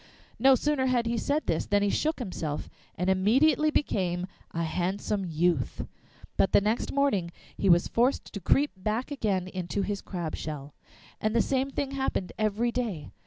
No sooner had he said this than he shook himself, and immediately became a handsome youth, but the next morning he was forced to creep back again into his crab shell. And the same thing happened every day.